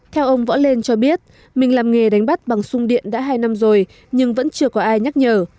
theo ông võ lên cho biết mình làm nghề đánh bắt bằng sung điện đã hai năm rồi nhưng vẫn chưa có ai nhắc nhở